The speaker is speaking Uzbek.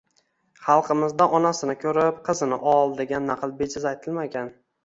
Xalqimizda “Onasini ko‘rib, qizini ol” degan naql bejiz aytilmagan.